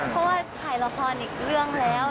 เพราะว่าถ่ายละครอีกเรื่องแล้ว